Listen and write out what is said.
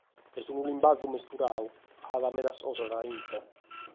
Est unu limbàgiu mesturadu, ca at medas cosas a intro.